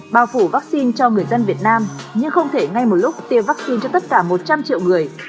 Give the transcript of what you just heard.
bao phủ vaccine cho người dân việt nam nhưng không thể ngay một lúc tiêm vaccine cho tất cả một trăm linh triệu người